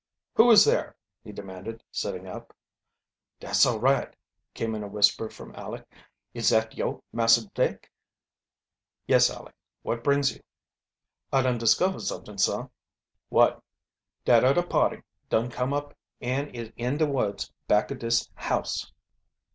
"Who is there?" he demanded, sitting up. "Dat's all right," came in a whisper from Aleck. "Is dat yo', Massah Dick?" "Yes, Aleck. What brings you?" "I dun discovered somet'ing, sah." "What?" "Dat udder party dun come up an' is in de woods back ob dis, house."